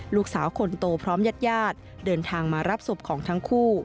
ลูกสาวคนโตพร้อมญาติญาติเดินทางมารับศพของทั้งคู่